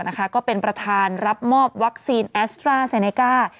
ก็เป็นประธานรับมอบวัคซีนแอสตราเซเนก้า